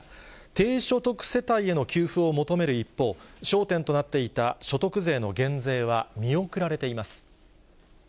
低所得世帯への給付を求める一方、焦点となっていた所得税の減税は見送られています。